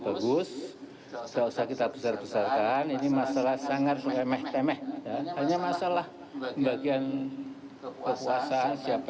hai selesai kita besar besarkan ini masalah sangat melemeh temeh hanya masalah bagian kekuasaan siapa